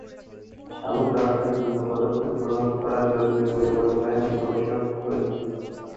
শামুক রক্ষায় দ্রুত পদক্ষেপ গ্রহণ করা জরুরি বলে মনে করেন গবেষকদ্বয়।